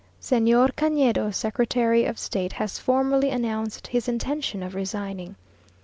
Señor Canedo, Secretary of State, has formally announced his intention of resigning.